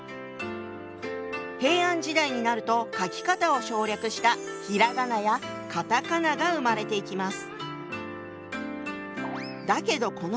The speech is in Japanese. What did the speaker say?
平安時代になると書き方を省略したひらがなやカタカナが生まれていきます。